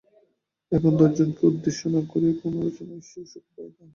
এখন দশজনকে উদ্দেশ না করিয়া কোনো রচনায় সে সুখ পায় না।